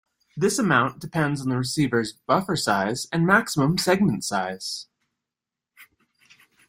This amount depends on the receiver's buffer size and maximum segment size.